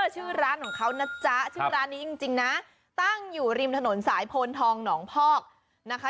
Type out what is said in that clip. ชื่อร้านของเขานะจ๊ะชื่อร้านนี้จริงนะตั้งอยู่ริมถนนสายโพนทองหนองพอกนะคะ